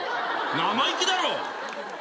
生意気だろ！